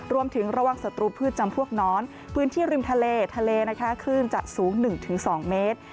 รวมถึงระวังศัตรูพืชจำพวกน้อนพื้นที่ริมทะเลทะเลนะคะคลื่นจะสูง๑๒เมตร